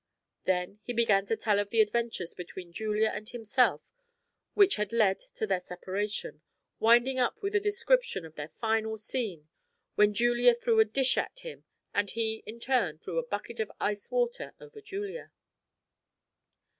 Then he began to tell of the adventures between Julia and himself which had led to their separation, winding up with a description of their final scene, when Julia threw a dish at him and he in turn threw a bucket of ice water over Julia.